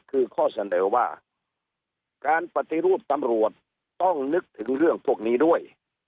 คือข้อเสนอว่าการปฏิรูปตำรวจต้องนึกถึงเรื่องพวกนี้ด้วย